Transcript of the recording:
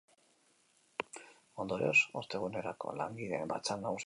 Ondorioz, ostegunerako langileen batzar nagusia deitu dute.